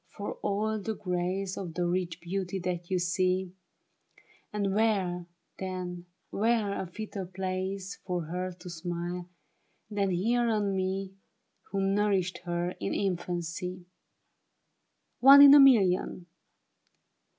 For all the grace Of the rich beauty that you see ; And where, then, where a fitter place For her to smile, than here on me, Who nourished her in infancy ! One in a million